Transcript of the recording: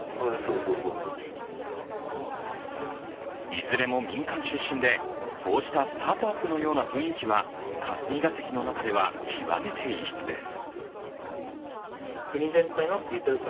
いずれも民間出身で、こうしたスタートアップのような雰囲気は霞が関の中では極めて異質です。